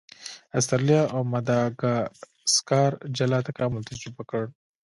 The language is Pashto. استرالیا او ماداګاسکار جلا تکامل تجربه کړ.